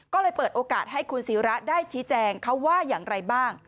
ก็เลยเปิดโอกาสให้คุณศิระได้ชี้แจงเขาว่าอย่างไรบ้าง